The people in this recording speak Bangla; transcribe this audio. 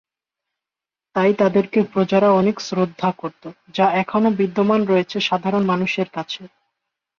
তাই তাদেরকে প্রজারা অনেক শ্রদ্ধা করত, যা এখনো বিদ্যমান রয়েছে সাধারণ মানুষের কাছে।